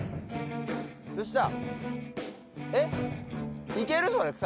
どうした？